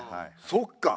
そっか！